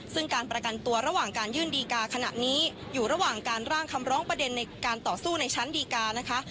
ซึ่งการประกันตัวระหว่างการยื่นดีกาขณะนี้อยู่ระหว่างการร่างคำร้องประเด็นในการต่อสู้ในชั้นดีการนะคะ